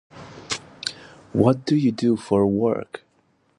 What do you do for a work?